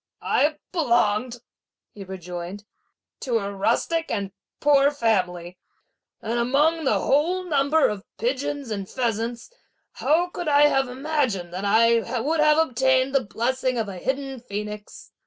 "I belonged," he rejoined, "to a rustic and poor family; and among that whole number of pigeons and pheasants, how could I have imagined that I would have obtained the blessing of a hidden phoenix!